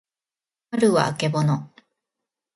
はるはあけぼの